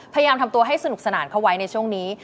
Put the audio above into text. พยายามทำตัวให้สนุกสนานเข้าไว้ในช่วงนี้